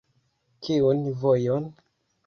Kiun vojon?